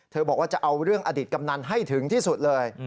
บอกว่าจะเอาเรื่องอดีตกำนันให้ถึงที่สุดเลย